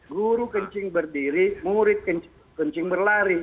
guru kencing berdiri murid kencing berlari